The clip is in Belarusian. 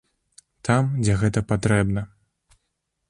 Там, дзе гэта патрэбна.